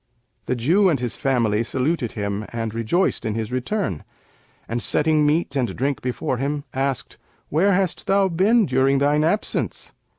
The Jew and his family saluted him and rejoiced in his return and, setting meat and drink before him, asked, 'Where hast thou been during thine absence?'